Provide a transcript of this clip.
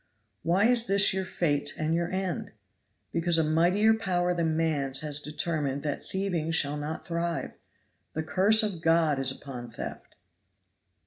Why is this your fate and your end? Because a mightier power than man's has determined that thieving shall not thrive. The curse of God is upon theft!"